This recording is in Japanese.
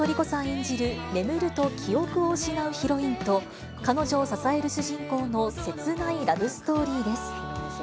演じる眠ると記憶を失うヒロインと、彼女を支える主人公の切ないラブストーリーです。